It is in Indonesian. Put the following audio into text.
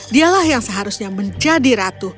dialah yang seharusnya menjadi ratu